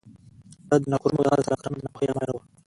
دا د نکرومه او د هغه د سلاکارانو د ناپوهۍ له امله نه و.